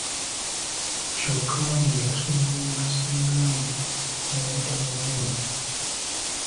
Kyokka mbu yasonyiwa ssenga we naye tamubuuza.